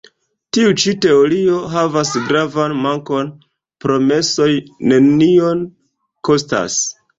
Tiu ĉi teorio havas gravan mankon: promesoj nenion kostas.